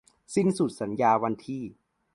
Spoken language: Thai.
สิ้นสุดสัญญาวันที่